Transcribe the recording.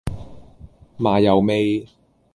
麻油味